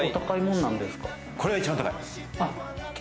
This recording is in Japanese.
これが一番高い。